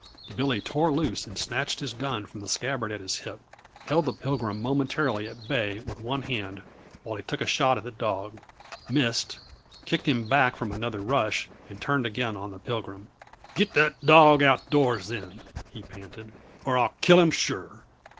Billy tore loose and snatched his gun from the scabbard at his hip, held the Pilgrim momentarily at bay with one hand while he took a shot at the dog, missed, kicked him back from another rush, and turned again on the Pilgrim. "Get that dawg outdoors, then," he panted, "or I'll kill him sure."